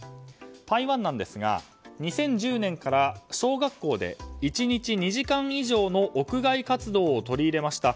台湾なんですが２０１０年から、小学校で１日２時間以上の屋外活動を取り入れました。